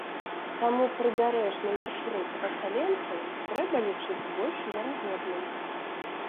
Таму прыбярэжны маршрут пасяленцаў трэба лічыць больш верагодным.